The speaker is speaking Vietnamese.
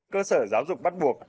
cơ sở giáo dục bắt buộc